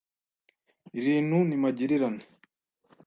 Iintu ni magirirane